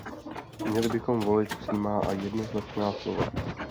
Měli bychom volit přímá a jednoznačná slova.